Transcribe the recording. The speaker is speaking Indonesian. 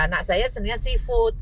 nah saya senangnya seafood